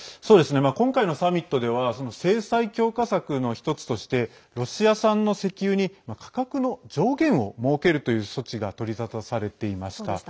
今回のサミットでは制裁強化策の１つとしてロシア産の石油に価格の上限を設けるという措置が取り沙汰されていました。